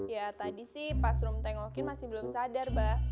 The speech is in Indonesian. ya tadi sih pas rum tengokin masih belum sadar mbak